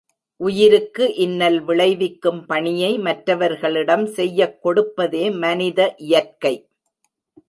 உயிருக்கு இன்னல் விளைவிக்கும் பணியை மற்றவர்களிடம் செய்யக் கொடுப்பதே மனித இயற்கை.